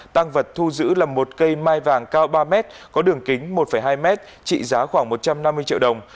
tăng vật thu giữ là một cây mai vàng cao ba mét có đường kính một hai m trị giá khoảng một trăm năm mươi triệu đồng